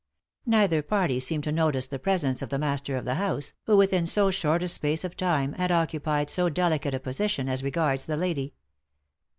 Neither party seemed to notice the presence 01 the master of the house, who within so short a space of time had occupied so delicate a position as regards the lady.